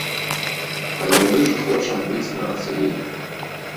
Але мы ж хочам быць нацыяй!